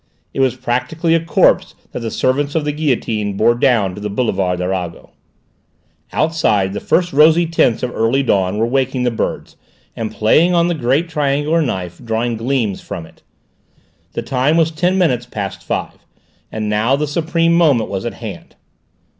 It was practically a corpse that the servants of the guillotine bore down to the boulevard Arago. Outside, the first rosy tints of early dawn were waking the birds, and playing on the great triangular knife, drawing gleams from it. The time was ten minutes past five. And now the supreme moment was at hand.